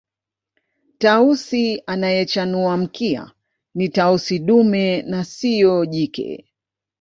Tausi anayechanua mkia ni Tausi dume na siyo jike